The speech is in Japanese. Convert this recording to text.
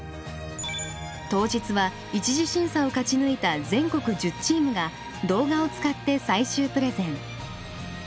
当日は一次審査を勝ち抜いた全国１０チームが動画を使って最終プレゼン。